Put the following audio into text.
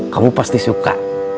kamu pasti suka